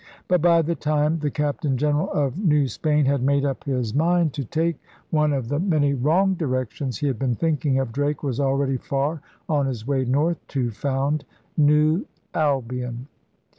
But, by the time the Captain General of New Spain had made up his 13C ELIZABETHAN SEA DOGS mind to take one of the many wrong directions he had been thinking of, Drake was already far on his way north to found New Albion.